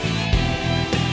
saya yang menang